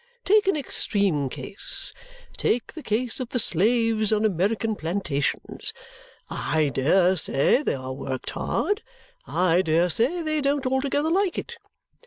Take an extreme case. Take the case of the slaves on American plantations. I dare say they are worked hard, I dare say they don't altogether like it.